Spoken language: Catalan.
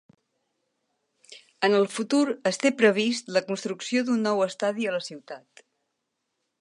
En el futur es té previst la construcció d'un nou estadi a la ciutat.